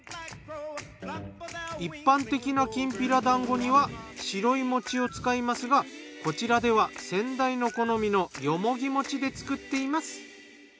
一般的なきんぴらだんごには白い餅を使いますがこちらでは先代の好みのよもぎ餅で作っています。